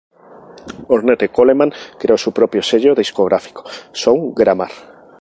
Ornette Coleman creó su propio sello discográfico, Sound Grammar.